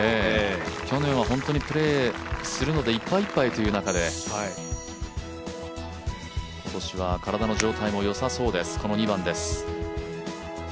去年は本当にプレーするのでいっぱいいっぱいという中で今年は体の状態も良さそうです、この２番です。